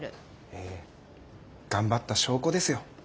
ええ頑張った証拠ですよ。